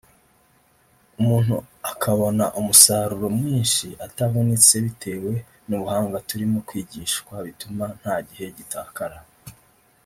umuntu akabona umusaruro mwinshi atavunitse bitewe n’ubuhanga turimo kwigishwa butuma nta gihe gitakara